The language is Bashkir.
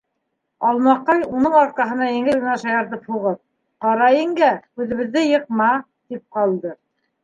Алмаҡай, уның арҡаһына еңел генә шаяртып һуғып: - Ҡара, еңгә, һүҙебеҙҙе йыҡма, - тип ҡалды.